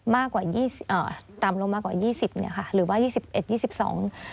มากกว่ายี่อ่าต่ำลงมากกว่ายี่สิบเนี้ยค่ะหรือว่ายี่สิบเอ็ดยี่สิบสอง